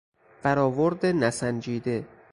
برآورد نسنجیده